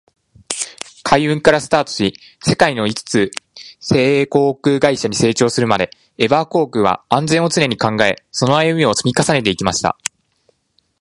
海運からスタートし、世界の五つ星航空会社に成長するまで、エバー航空は「安全」を常に考え、その歩みを積み重ねてきました。